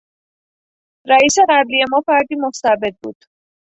رئیس قبلی ما فردی مستبد بود.